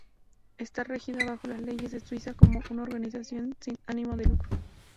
Está regida bajo las leyes de Suiza como una "organización sin ánimo de lucro".